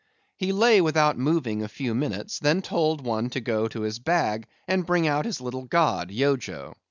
He lay without moving a few minutes, then told one to go to his bag and bring out his little god, Yojo.